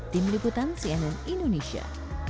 tim liputan cnn indonesia